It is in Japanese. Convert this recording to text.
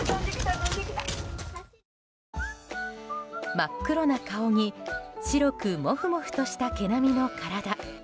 真っ黒な顔に白くモフモフとした毛並みの体。